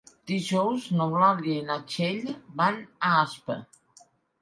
Dijous n'Eulàlia i na Txell van a Aspa.